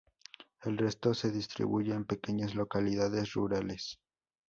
El resto se distribuye en pequeñas localidades rurales.